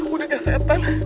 udah kaya setan